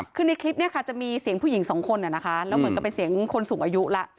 คือในคลิปเนี่ยค่ะจะมีเสียงผู้หญิงสองคนนะคะแล้วเหมือนกับเป็นเสียงคนสูงอายุละ